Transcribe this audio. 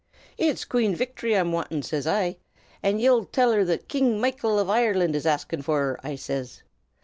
"'It's Queen Victory I'm wantin',' says I. 'An' ye'll till her King Michael av Ireland is askin' for her,' I says.